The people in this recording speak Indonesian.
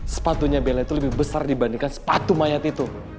sepatunya bella itu lebih besar dibandingkan sepatu mayat itu